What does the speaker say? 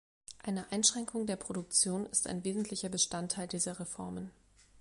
Eine Einschränkung der Produktion ist ein wesentlicher Bestandteil dieser Reformen.